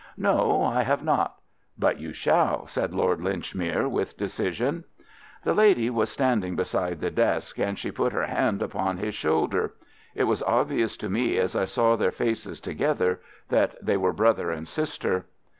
"No, I have not." "But you shall," said Lord Linchmere, with decision. The lady was standing beside the desk, and she put her hand upon his shoulder. It was obvious to me as I saw their faces together that they were brother and sister.